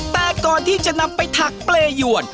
แต่ก่อนที่จะนำไปถักเปรยวน